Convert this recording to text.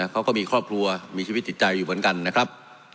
เขาก็มีครอบครัวมีชีวิตจิตใจอยู่เหมือนกันนะครับ